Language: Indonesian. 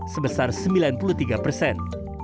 sebesar sembilan puluh tiga persen